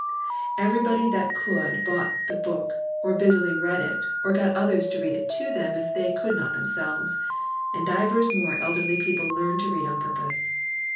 Everybody that could bought the book or busily read it or got others to read it to them if they could not themselves, and divers more elderly people learned to read on purpose."